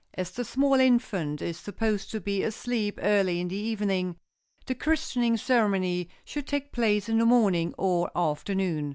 As the small infant is supposed to be asleep early in the evening, the christening ceremony should take place in the morning or afternoon.